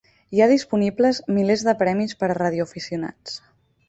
Hi ha disponibles milers de premis per a radioaficionats.